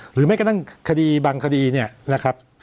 หรือไม่ก็ตั้งคดีบางคดีเนี่ยนะครับ